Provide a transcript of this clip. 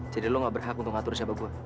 jadi lo gak berhak untuk ngatur siapa gue